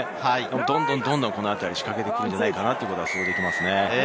どんどん仕掛けてくるんじゃないかなということが想定できます。